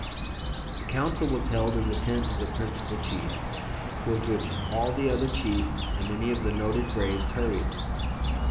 The council was held in the tent of the principal chief, towards which all the other chiefs and many of the noted braves hurried.